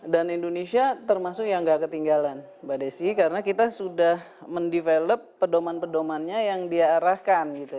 dan indonesia termasuk yang enggak ketinggalan mbak desi karena kita sudah mendevelop pedoman pedomannya yang diarahkan